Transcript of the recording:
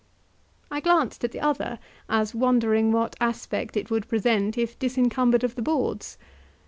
I glanced at the other, as wondering what aspect it would present if disencumbered of the boards.